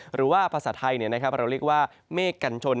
หรือว่าภาษาไทยเราเรียกว่าเมฆกัญชน